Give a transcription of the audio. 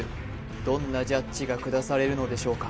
どんなジャッジが下されるのでしょうか